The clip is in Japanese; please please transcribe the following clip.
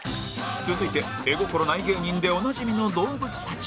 続いて絵心ない芸人でおなじみの動物たち